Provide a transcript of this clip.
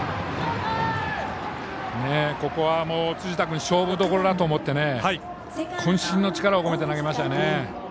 ここは、辻田君勝負どころだと思ってこん身の力を込めて投げましたね。